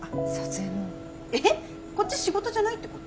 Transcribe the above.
こっち仕事じゃないってこと？